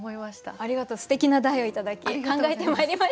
ありがとうすてきな題を頂き考えてまいりました。